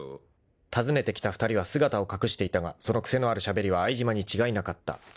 ［尋ねてきた２人は姿を隠していたがその癖のあるしゃべりは相島に違いなかった］